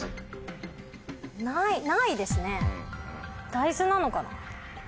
大豆なのかな？